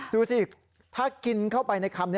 ดูสิถ้ากินเข้าไปในคำนี้